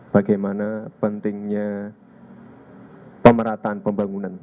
bagaimana pentingnya pemerataan pembangunan